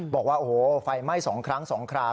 บอกว่าโอ้โหไฟไหม้๒ครั้ง๒ครา